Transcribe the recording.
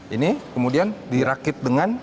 ini kemudian dirakit dengan